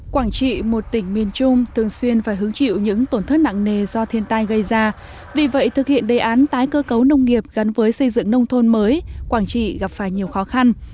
quảng trị một tỉnh miền trung thường xuyên phải hứng chịu những tổn thất nặng nề do thiên tai gây ra vì vậy thực hiện đề án tái cơ cấu nông nghiệp gắn với xây dựng nông thôn mới quảng trị gặp phải nhiều khó khăn